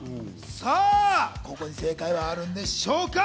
ここに正解はあるんでしょうか。